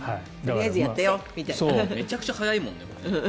めちゃくちゃ速いもんね。